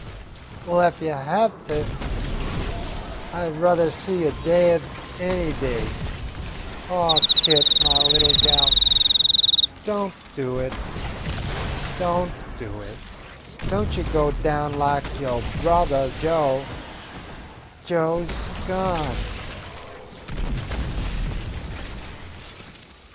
"Well, ef you have to, I 'd ruther see you daid any day. Oh, Kit, my little gal, don't do it, don't do it. Don't you go down lak yo' brothah Joe. Joe 's gone."